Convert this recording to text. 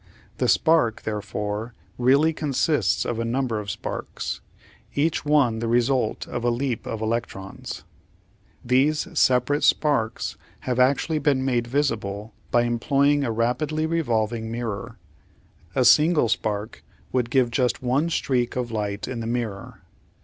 The spark, therefore, really consists of a number of sparks, each one the result of a leap of electrons. These separate sparks have actually been made visible by employing a rapidly revolving mirror. A single spark would give just one streak of light in the mirror.